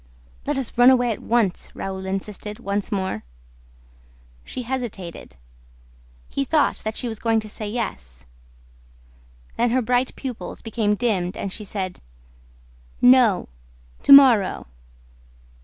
"Let us run away at once," Raoul insisted, once more. She hesitated. He thought that she was going to say yes... Then her bright pupils became dimmed and she said: "No! To morrow!"